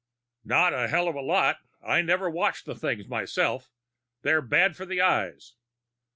"Not a hell of a lot. I never watch the things, myself. They're bad for the eyes."